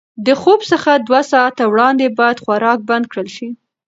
د خوب څخه دوه ساعته وړاندې باید خوراک بند کړل شي.